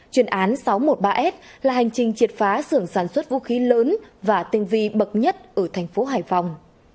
chuyên án sáu trăm một mươi ba s là hành trình triệt phá sưởng sản xuất vũ khí lớn và tinh vi bậc nhất ở thành phố hải phòng